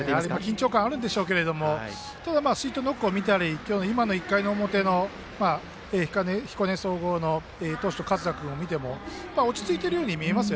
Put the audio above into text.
緊張感があるんでしょうけどもただシートノックを見たり今の１回表の彦根総合の投手の勝田君を見ても落ち着いているように見えます。